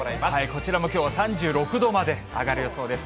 こちらもきょうは３６度まで上がる予想です。